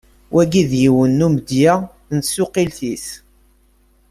Wagi d yiwen n umedya n tsuqqilt-is.